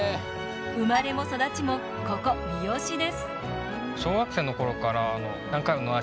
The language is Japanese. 生まれも育ちも、ここ三次です。